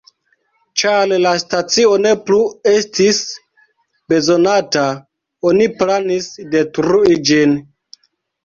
Ĉar la stacio ne plu estis bezonata, oni planis, detrui ĝin.